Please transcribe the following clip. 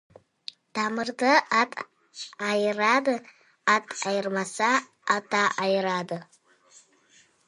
Тамырды ат айырады, ат айырмаса, ата айырады.